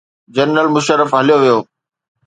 General Musharraf هليو ويو.